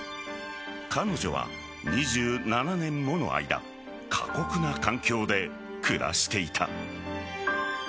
彼女は２７年もの間過酷な環境で暮らしていた。